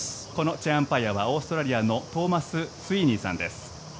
チェアアンパイアはオーストラリアのトーマスさんです。